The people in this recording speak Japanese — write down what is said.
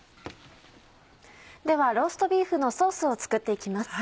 ではローストビーフのソースを作って行きます。